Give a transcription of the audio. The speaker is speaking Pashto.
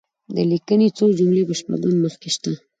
د لیکني څو جملې په شپږم مخ کې شته.